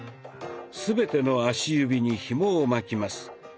全ての足指にひもを巻きます。